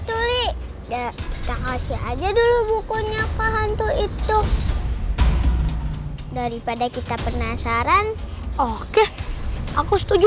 tuh li ya kasih aja dulu bukunya ke hantu itu daripada kita penasaran oke aku setuju